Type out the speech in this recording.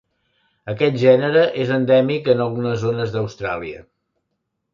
Aquest gènere és endèmic en algunes zones d'Austràlia.